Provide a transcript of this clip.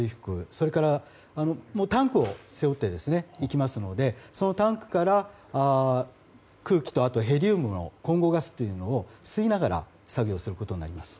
それからタンクを背負っていきますのでそのタンクから空気とヘリウムの混合ガスというのを吸いながら作業することになります。